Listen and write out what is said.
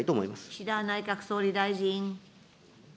岸田内閣総理大臣。